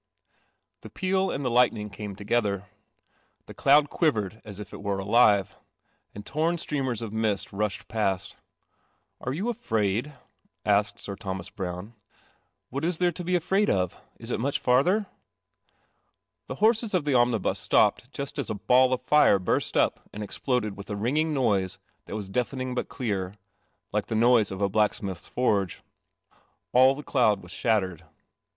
The peal and the lightning came together. The cloud quivered as it it were alive, and turn streamers i t mist rushed pa t. " Are J raid :" I S r Thomas Browne. ■■ What is there t" he afraid of? [s it much •• The i • the omnibus stopped just as a hall of lire hurst up and exploded with a ring • that was deafening hut clear, like the • i blacksmith's I Ml the cloud was shattered.